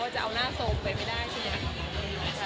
จะเอาหน้าทรงไปไม่ได้ใช่ไหม